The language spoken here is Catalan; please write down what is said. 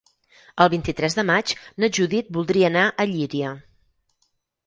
El vint-i-tres de maig na Judit voldria anar a Llíria.